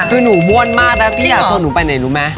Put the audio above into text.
คือหนูม่วนมากนะพี่อ่ะจงหนูไปไหนรู้มั้ย